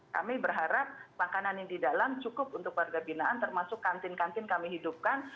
kami berharap makanan yang di dalam cukup untuk warga binaan termasuk kantin kantin kami hidupkan